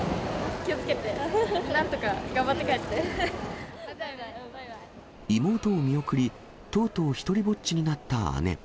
気をつけて、なんとか頑張っ妹を見送り、とうとう独りぼっちになった姉。